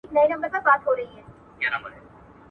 خطر اخیستل نوې لارې پرانیزي.